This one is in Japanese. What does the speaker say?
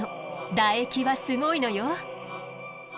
唾液はすごいのよ。